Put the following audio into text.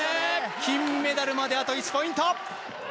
金メダルまであと１ポイント。